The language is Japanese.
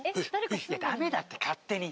ダメだって勝手に。